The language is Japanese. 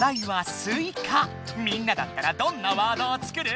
みんなだったらどんなワードを作る？